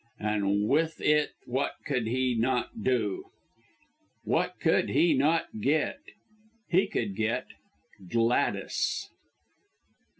And with it what could he not do! What could he not get! He could get Gladys!